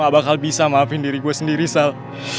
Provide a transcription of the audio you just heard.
gue gak bakal bisa maafin diri gue sendiri sal